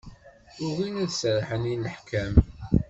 Ugin ad serrḥen i leḥkem.